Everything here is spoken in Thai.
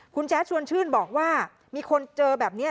คุณแจ๊ดชวนชื่นบอกว่ามีคนเจอแบบนี้